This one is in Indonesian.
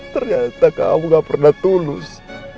ternyata kamu gak pernah tulus